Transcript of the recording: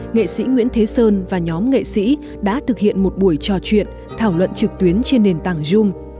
nghệ sĩ nguyễn thế sơn và nhóm nghệ sĩ đã thực hiện một buổi trò chuyện thảo luận trực tuyến trên nền tảng zoom